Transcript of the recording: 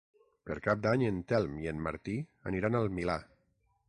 Per Cap d'Any en Telm i en Martí aniran al Milà.